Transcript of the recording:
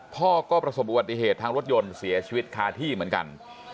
พ่อก็ประสบอุบัติเหตุทางรถยนต์เสียชีวิตคาที่เหมือนกัน